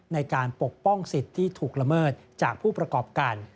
ปกป้องสิทธิ์ที่ถูกละเมิดจากผู้ประกอบการ